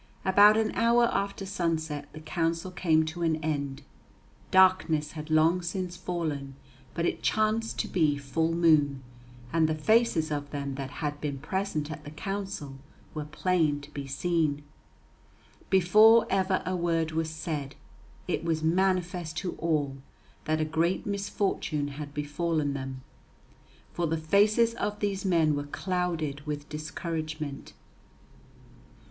About an hour after sunset the council came to an end; darkness had long since fallen, but it chanced to be full moon, and the faces of them that had been present at the council were plain to be seen. Before ever a word was said, it was manifest to all that a great misfortune had befallen them. For the faces of these men were clouded with discouragement.